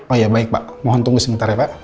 oh ya baik pak mohon tunggu sebentar ya pak